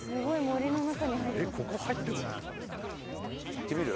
行ってみる？